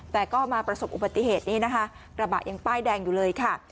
แต่ก็มาประสบอุบัติเหตุนี้นะคะกระบะยังป้ายแดงอยู่เลยค่ะ